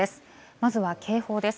まずは警報です。